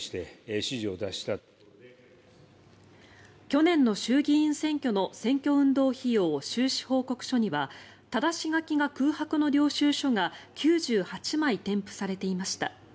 去年の衆議院選挙の選挙運動費用収支報告書にはただし書きが空白の領収書が９８枚添付されていました。